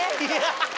ハハハハ。